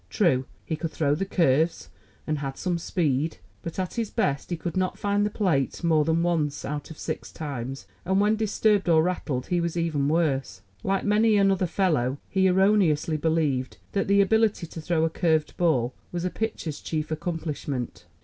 True, he could throw the curves, and had some speed, but at his best he could not find the plate more than once out of six times, and, when disturbed or rattled, he was even worse. Like many another fellow, he erroneously believed that the ability to throw a curved ball was a pitcher's chief accomplishment.